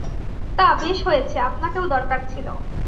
তা, বেশ হয়েছে, আপনাকেও দরকার ছিল।